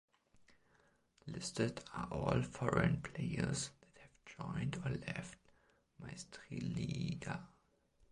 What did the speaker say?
Listed are all foreign players that have joined or left Meistriliiga.